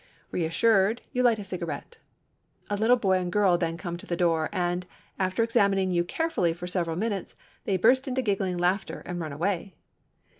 Reassured, you light a cigaret. A little boy and girl then come to the door, and, after examining you carefully for several minutes, they burst into giggling laughter and run away.